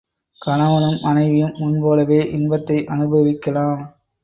கணவனும் மனைவியும் முன்போலவே இன்பத்தை அனுபவிக்கலாம்.